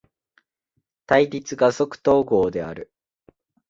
対立が即綜合である。